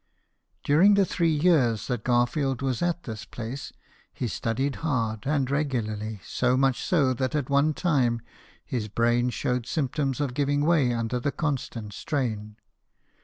During the three years that Garfield was at this place, he studied hard and regularly, so much so that at one time his brain showed symptoms of giving way under the constant strain.